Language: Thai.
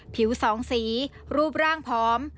ผิวสองสีรูปร่างผอม